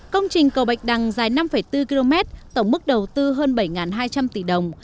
công trình cầu bạch đằng dài năm bốn km tổng mức đầu tư hơn bảy hai trăm linh tỷ đồng